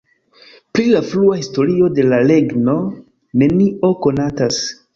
Pri la frua historio de la regno nenio konatas.